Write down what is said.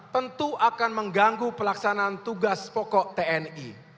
tentu akan mengganggu pelaksanaan tugas pokok tni